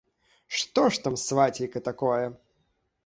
Што ж там, свацейка, такое?